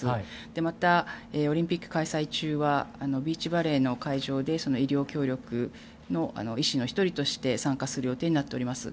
また、オリンピック開催中はビーチバレーの会場で医療協力の医師の１人として参加する予定になっております。